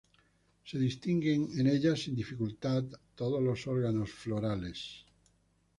Se distinguen en ella sin dificultad todos los órganos florales.